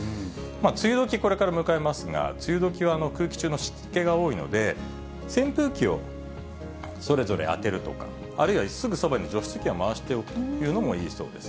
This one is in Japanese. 梅雨どき、これから迎えますが、梅雨時は空気中の湿気が多いので、扇風機をそれぞれ当てるとか、あるいはすぐそばに除湿器を回しておくというのもいいそうです。